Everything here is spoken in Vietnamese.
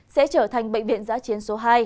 sẽ trở thành bệnh viện giã chiến số hai